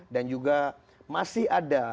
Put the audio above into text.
dan juga masih ada